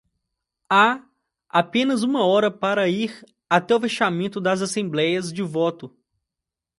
Há apenas uma hora para ir até o fechamento das assembleias de voto.